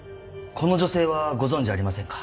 この女性はご存じありませんか？